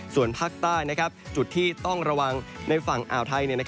ส่วนภาคใต้จุดที่ต้องระวังในฝั่งอ่าวไทย